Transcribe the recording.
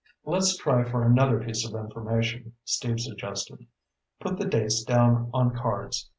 "Let's try for another piece of information," Steve suggested. "Put the dates down on cards.